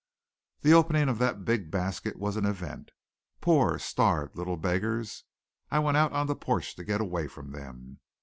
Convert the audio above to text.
The opening of that big basket was an event. Poor, starved little beggars! I went out on the porch to get away from them.